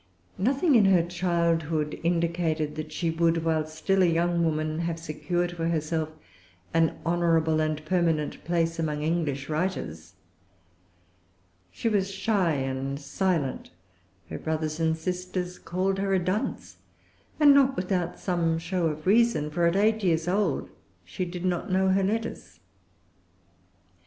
Nothing in her childhood indicated that she would, while still a young woman, have secured for herself an honorable and permanent place among English writers. She was shy and silent. Her brothers and sisters called her a dunce, and not without some show of reason; for at eight years old she did not know her letters.